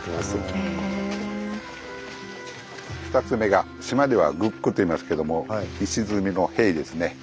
２つ目が島では「グック」と言いますけども石積みの塀ですね。